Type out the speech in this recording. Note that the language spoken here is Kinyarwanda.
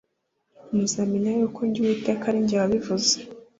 muzamenya yuko jye Uwiteka ari jye wabivuze